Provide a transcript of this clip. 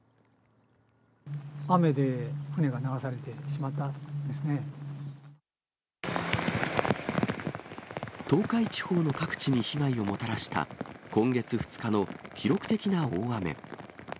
雨で船が流されてしまったん東海地方の各地に被害をもたらした、今月２日の記録的な大雨。